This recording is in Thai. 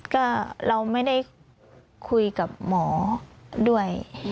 ก็เราไม่ได้คุยกับหมอด้วย